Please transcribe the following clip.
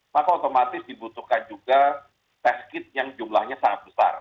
maka otomatis dibutuhkan juga test kit yang jumlahnya sangat besar